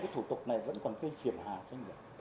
thủ tục này vẫn còn kêu phiền hà